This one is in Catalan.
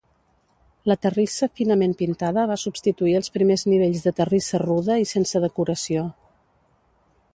La terrissa finament pintada va substituir els primers nivells de terrissa rude i sense decoració.